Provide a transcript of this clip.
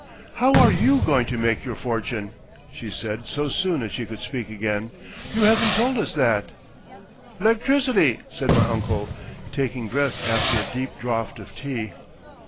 "How are you going to make your fortune?" she said so soon as she could speak again. "You haven't told us that." "'Lectricity," said my uncle, taking breath after a deep draught of tea.